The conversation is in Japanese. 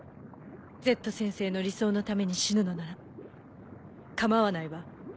Ｚ先生の理想のために死ぬのなら構わないわ。